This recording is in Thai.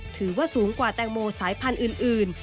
ถือว่าสูงกว่าแตงโมสายพันธุ์อื่น